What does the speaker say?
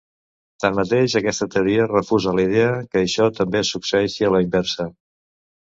Tanmateix aquesta teoria refusa la idea que això també succeeixi a la inversa.